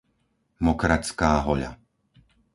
Mokraďská Hoľa